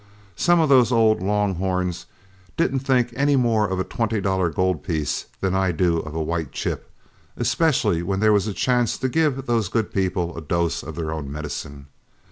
Some of those old long horns didn't think any more of a twenty dollar gold piece than I do of a white chip, especially when there was a chance to give those good people a dose of their own medicine.